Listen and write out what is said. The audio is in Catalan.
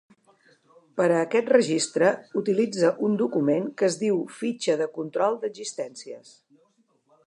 Per a aquest registre utilitza un document que es diu fitxa de control d'existències.